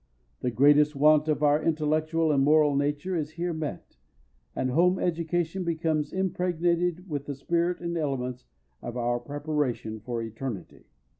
The greatest want of our intellectual and moral nature is here met, and home education becomes impregnated with the spirit and elements of our preparation for eternity.